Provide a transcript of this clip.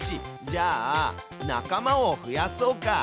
じゃあ仲間を増やそうか。